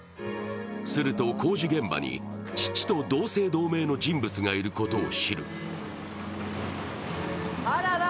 すると工事現場に父と同姓同名の人物がいることを知る。